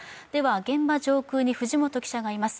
現場上空に藤本記者がいます。